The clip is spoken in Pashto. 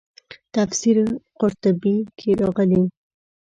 تفسیر قرطبي کې راغلي.